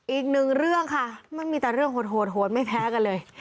อีกหนึ่งเรื่องค่ะมันมีแต่เรื่องโหดโหดไม่แพ้กันเลย